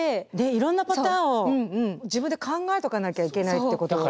いろんなパターンを自分で考えとかなきゃいけないってことですね。